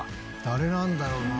誰なんだろうな？